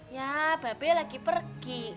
ya mbak be lagi pergi